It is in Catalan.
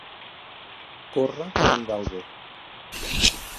Córrer com un galgo.